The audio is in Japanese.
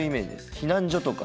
避難所とか。